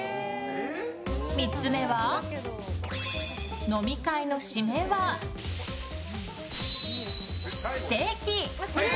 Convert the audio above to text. ３つ目は、飲み会の締めはステーキ！